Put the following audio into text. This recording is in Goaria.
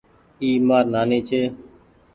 اي مآر نآني ڇي۔